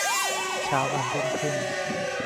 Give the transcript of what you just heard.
เช้าวันรุ่งขึ้น